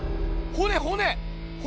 骨骨！